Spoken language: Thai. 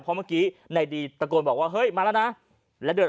เพราะเมื่อกี้ในดีตะโกนบอกว่าเฮ้ยมาแล้วนะแล้วเดิน